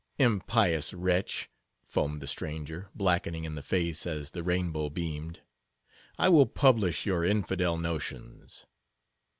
"Impious wretch!" foamed the stranger, blackening in the face as the rainbow beamed, "I will publish your infidel notions."